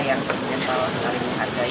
yang harus saling menghargai